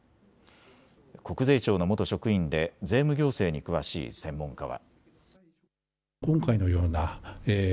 国税庁の元職員で税務行政に詳しい専門家は。